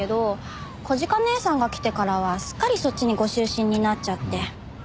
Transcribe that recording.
小鹿姐さんが来てからはすっかりそっちにご執心になっちゃって。